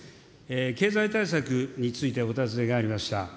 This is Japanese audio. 経済対策についてお尋ねがありました。